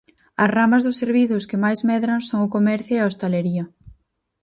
As ramas dos servizos que máis medran son o comercio e a hostalería.